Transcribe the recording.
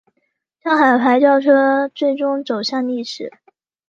上海牌轿车最终走向历史。